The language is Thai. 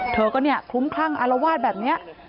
เธอก็คลุ้มครั่งอารวาสแบบนี้